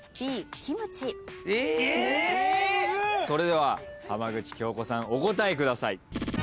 それでは浜口京子さんお答えください。